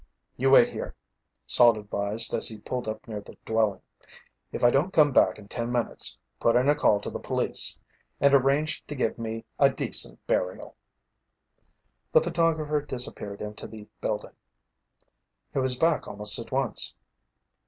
"You wait here," Salt advised as he pulled up near the dwelling. "If I don't come back in ten minutes, put in a call to the police. And arrange to give me a decent burial!" The photographer disappeared into the building. He was back almost at once.